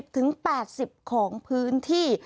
ถึง๘๐ของพื้นที่